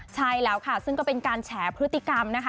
ใช่แล้วค่ะซึ่งก็เป็นการแฉพฤติกรรมนะคะ